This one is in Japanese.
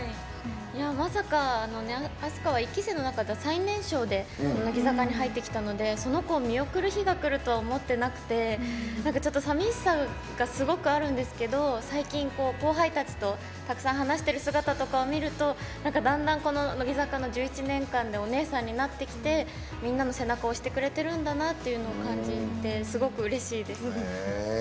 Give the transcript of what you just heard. まさか、飛鳥は１期生の中では最年少で乃木坂に入ってきたのでその子を見送る日がくるとは思ってなくてさみしさがすごくあるんですけど最近、後輩たちとたくさん話している姿を見るとなんか、だんだん乃木坂の１１年間でお姉さんになってきてみんなの背中を押してくれてるんだなと感じて、すごくうれしいです。